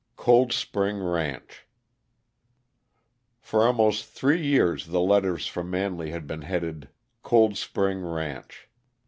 COLD SPRING RANCH For almost three years the letters from Manley had been headed "Cold Spring Ranch."